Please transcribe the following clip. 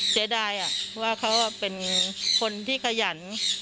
เสียดายว่าเขาเป็นคนที่ขยัน